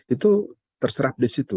itu terserap di situ